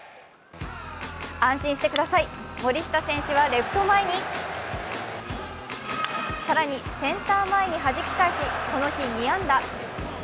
安心してください、森下選手はレフト前に、更にセンター前にはじき返し、この日２安打。